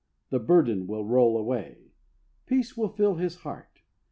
The burden will roll away. Peace will fill his heart.